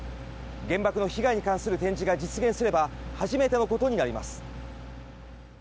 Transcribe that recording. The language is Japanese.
原爆の被害に関する展示が実現すれば初めてのことになります。